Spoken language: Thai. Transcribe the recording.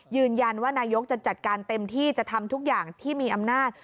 นายกจะจัดการเต็มที่จะทำทุกอย่างที่มีอำนาจ